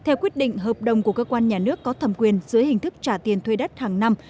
theo quyết định hợp đồng của cơ quan nhà nước có thẩm quyền dưới hình thức trả tiền thuê đất hàng năm